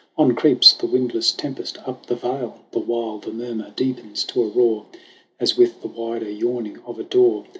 On creeps the windless tempest up the vale, The while the murmur deepens to a roar, As with the wider yawning of a door.